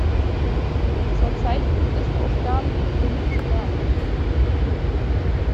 Zurzeit gibt es Ausgaben in fünf Sprachen.